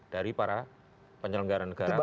dari para penyelenggaran negara ke birokrat